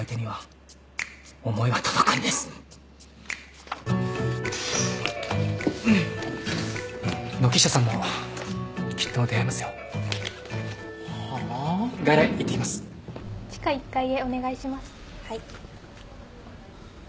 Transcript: はい。